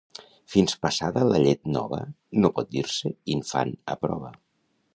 Fins passada la llet nova no pot dir-se infant a prova.